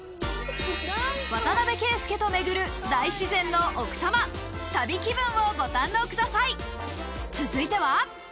渡邊圭祐と巡る大自然の奥多摩、旅気分をご堪能ください。